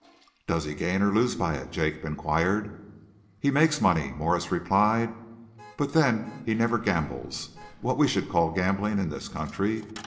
"Does he gain or lose by it?" Jacob enquired. "He makes money," Morse replied. "But then he never gambles what we should call gambling in this country.